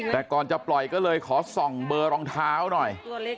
แต่ก่อนจะปล่อยก็เลยขอส่องเบอร์รองเท้าหน่อย